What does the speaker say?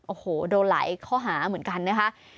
โอ้โหโดนหลายข้อหาเหมือนกันนะคะ